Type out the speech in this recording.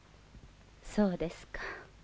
そうですか。